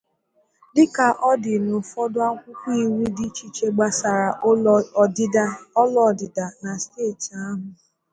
dịka ọ dị n'ụfọdụ akwụkwọ iwu dị iche iche gbasaara ụlọ ọdịda na steeti ahụ